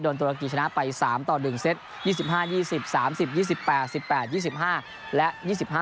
ตุรกีชนะไป๓ต่อ๑เซต๒๕๒๐๓๐๒๘๑๘๒๕และ๒๕